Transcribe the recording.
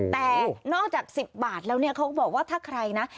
แต่นอกจาก๑๐บาทแล้วเนี่ยเขาก็บอกว่าถ้าใครนะ